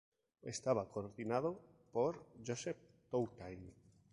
Estaba coordinado por Josep Toutain.